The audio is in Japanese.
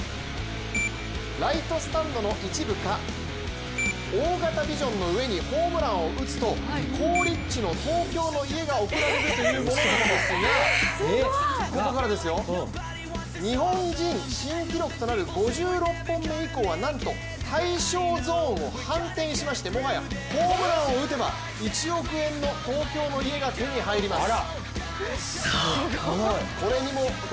ライトスタンドの一部か、大型ビジョンの上にホームランを打つと好立地の東京の家が贈られるというものなんですが、ここからです日本人新記録となる５６本目以降はなんと、対象ゾーンを反転しましてもはやホームランを打てば１億円の東京の家が手に入ります。